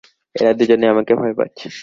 এরা দু জনই আমাকে ভয় পাচ্ছে!